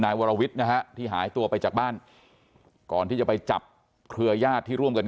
วรวิทย์นะฮะที่หายตัวไปจากบ้านก่อนที่จะไปจับเครือญาติที่ร่วมกัน